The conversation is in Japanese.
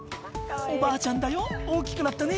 「おばあちゃんだよ大きくなったね」